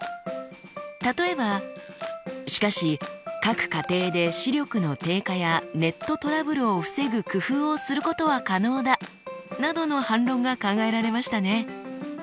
例えば「しかし各家庭で視力の低下やネットトラブルを防ぐ工夫をすることは可能だ」などの反論が考えられましたね。